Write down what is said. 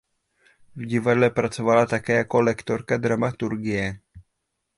V divadle pracovala také jako lektorka dramaturgie.